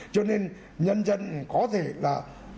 cho nên nhân dân có thể là